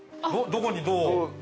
どこにどう？